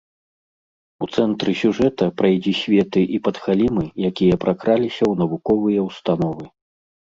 У цэнтры сюжэта прайдзісветы і падхалімы, якія пракраліся ў навуковыя ўстановы.